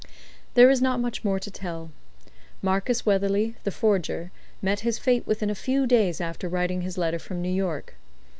There is not much more to tell. Marcus Weatherley, the forger, met his fate within a few days after writing his letter from New York.